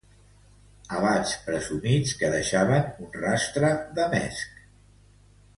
Abats presumits que deixaven un rastre de mesc